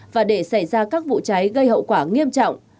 và để xảy ra các vụ cháy gây hậu quả nghiêm trọng